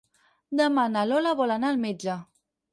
Demà na Lola vol anar al metge.